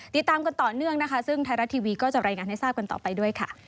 ติดตามกันต่อเนื่องนะคะซึ่งไทยรัฐทีวีก็จะรายงานให้ทราบกันต่อไปด้วยค่ะ